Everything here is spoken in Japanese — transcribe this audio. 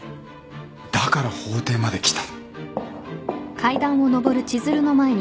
だから法廷まで来た。